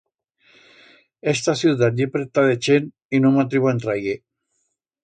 Esta ciudat ye preta de chent y no m'atrivo a entrar-ie.